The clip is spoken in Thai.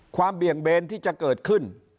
เบี่ยงเบนที่จะเกิดขึ้น